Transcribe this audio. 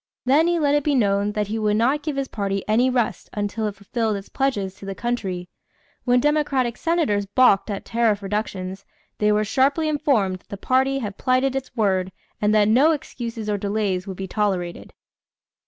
Then he let it be known that he would not give his party any rest until it fulfilled its pledges to the country. When Democratic Senators balked at tariff reductions, they were sharply informed that the party had plighted its word and that no excuses or delays would be tolerated.